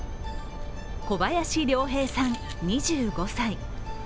小林稜平さん２５歳。